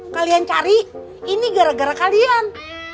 kalian cari ini gara gara kalian